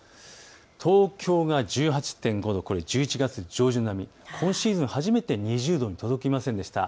東京が１８．５度、１１月上旬並み、今シーズン初めて２０度に届きませんでした。